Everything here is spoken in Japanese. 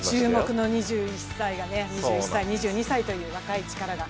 注目の２１歳、２２歳という若い力が。